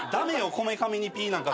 こめかみに「ピッ」なんか。